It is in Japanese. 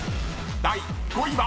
第５位は］